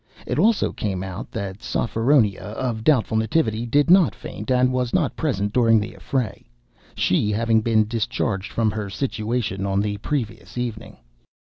It also came out that Sophronia, of doubtful nativity, did not faint, and was not present during the affray, she having been discharged from her situation on the previous evening.)